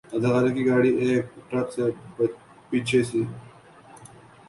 اداکارہ کی گاڑی ایک ٹرک سے پیچھے سے